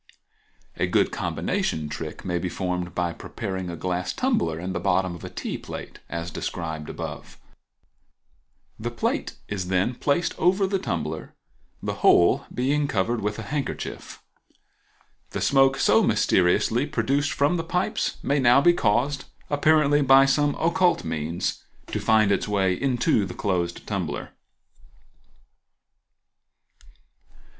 A good combination trick may be formed by preparing a glass tumbler and the bottom of a tea plate, as above described; the plate is then placed over the tumbler, the whole being covered with a handkerchief. The smoke so mysteriously produced from the pipes may now be caused, apparently by some occult means, to find its way into the closed tumbler.